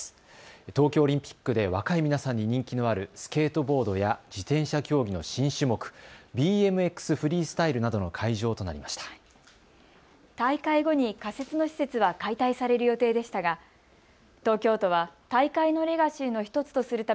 東京オリンピックで若い皆さんに人気のあるスケートボードや自転車競技の新種目、ＢＭＸフリースタイルなどの会場となりました。